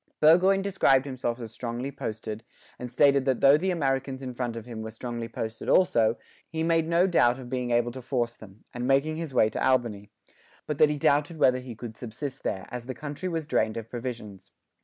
Burgoyne described himself as strongly posted, and stated that though the Americans in front of him were strongly posted also, he made no doubt of being able to force them, and making his way to Albany; but that he doubted whether he could subsist there, as the country was drained of provisions.